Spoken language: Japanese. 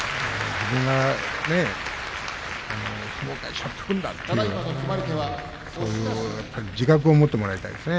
自分が相撲界をしょっていくんだという自覚を持ってもらいたいですね。